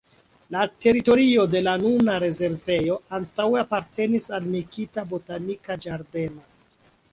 La teritorio de la nuna rezervejo antaŭe apartenis al Nikita botanika ĝardeno.